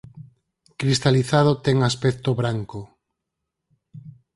Cristalizado ten aspecto branco.